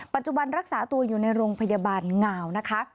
ปัจจุบันรักษาตัวอยู่ในโรงพยาบาลงาวนะคะ